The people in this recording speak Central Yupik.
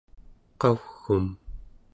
qau͡g'um